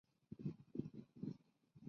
将干皮肚用清水泡发至变软即可。